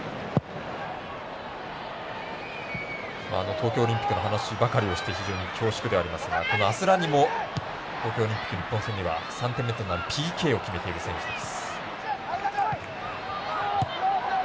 東京オリンピックの話ばかりをして非常に恐縮ではありますがこのアスラニも東京オリンピックの日本戦では３点目となるＰＫを決めている選手です。